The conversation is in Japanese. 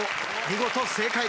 見事正解。